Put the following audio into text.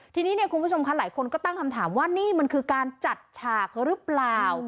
ทีนี้เนี่ยคุณผู้ชมค่ะหลายคนก็ตั้งคำถามว่านี่มันคือการจัดฉากหรือเปล่า